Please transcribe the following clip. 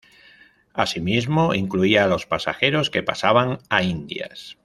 Asimismo, incluía a los pasajeros que pasaban a Indias.